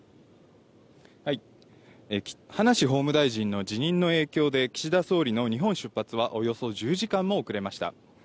葉梨法務大臣の辞任の影響で岸田総理大臣の日本出発は、およそ１０時間も遅れました。